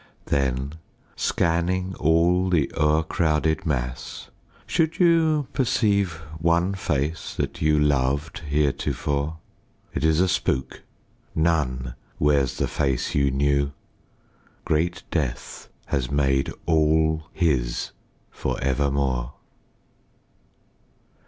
Then, scanning all the o'ercrowded mass, should you Perceive one face that you loved heretofore, It is a spook. None wears the face you knew. Great death has made all his for evermore.